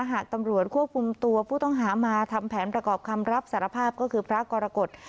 หากตำรวจควบคุมตัวผู้ต้องหามาทำแผนประกอบคำรับสารภาพก็คือพระกรกฎ